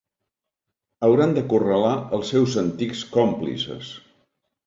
Hauran d'acorralar els seus antics còmplices.